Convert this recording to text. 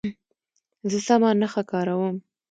زه سمه نښه کاروم.